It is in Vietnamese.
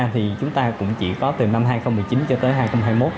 thì chúng ta cũng chỉ có từ năm hai nghìn một mươi chín cho tới